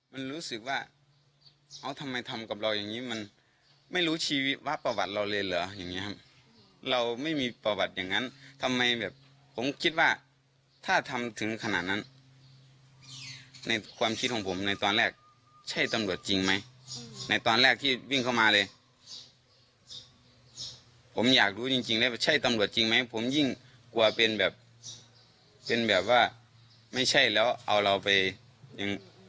ผมอยากรู้จริงได้ว่าใช่ตำรวจจริงไหมผมยิ่งกลัวเป็นแบบว่าไม่ใช่แล้วเอาเราไป